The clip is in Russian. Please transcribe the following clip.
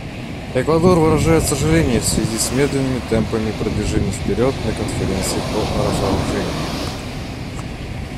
Эквадор выражает сожаление в связи с медленными темпами продвижения вперед на Конференции по разоружению.